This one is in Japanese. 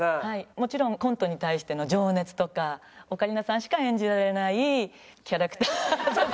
もちろんコントに対しての情熱とかオカリナさんしか演じられないキャラクターとか。